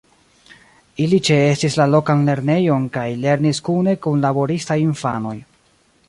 Ili ĉeestis la lokan lernejon kaj lernis kune kun laboristaj infanoj.